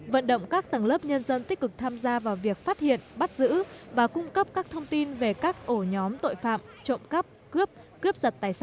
vận động các tầng lớp nhân dân tích cực tham gia vào việc phát hiện bắt giữ và cung cấp các thông tin về các ổ nhóm tội phạm trộm cắp cướp cướp giật tài sản